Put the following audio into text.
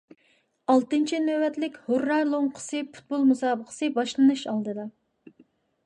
ئالتىنچى نۆۋەتلىك «ھۇررا» لوڭقىسى پۇتبول مۇسابىقىسى باشلىنىش ئالدىدا.